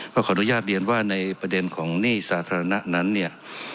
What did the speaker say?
ขออนุญาตเรียนว่าในประเด็นของหนี้สาธารณะนั้นเนี่ย